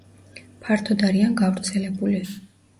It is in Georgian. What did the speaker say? ფართოდ არიან გავრცელებული.